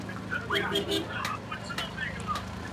台湾雀稗为禾本科雀稗属下的一个种。